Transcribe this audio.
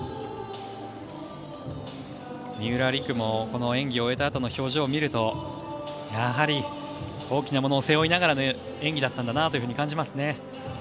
三浦璃来も演技を終えたあとの表情を見るとやはり大きなものを背負いながらの演技だったんだなと感じますね。